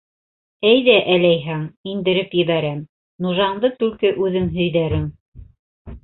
Әйҙә әләйһәң, индереп ебәрәм, нужаңды түлке үҙең һөйҙәрең!